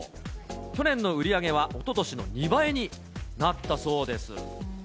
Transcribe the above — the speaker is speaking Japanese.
去年の売り上げは、おととしの２倍になったそうです。